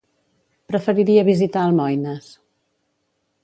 Preferiria visitar Almoines.